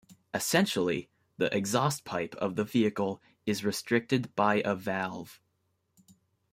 Essentially, the exhaust pipe of the vehicle is restricted by a valve.